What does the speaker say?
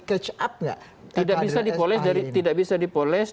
catch up nggak tidak bisa dipoles